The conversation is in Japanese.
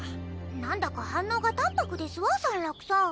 なんだか反応が淡白ですわサンラクさん。